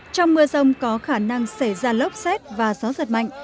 trong mưa rông có khả năng xảy ra lốc xét và gió giật mạnh